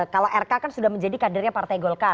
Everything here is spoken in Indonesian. kalau rk kan sudah menjadi kadernya partai golkar